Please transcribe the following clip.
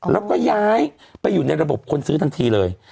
แล้วก็ย้ายไปอยู่ในระบบคนซื้อทันทีเลย